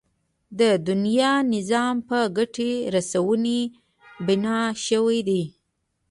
د دنيا نظام په ګټې رسونې بنا شوی دی.